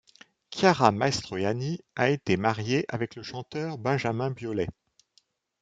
Chiara Mastroianni a été mariée avec le chanteur Benjamin Biolay.